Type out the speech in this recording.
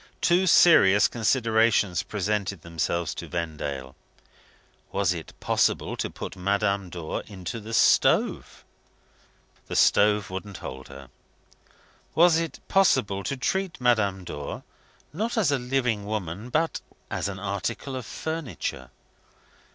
Two serious considerations presented themselves to Vendale. Was it possible to put Madame Dor into the stove? The stove wouldn't hold her. Was it possible to treat Madame Dor, not as a living woman, but as an article of furniture?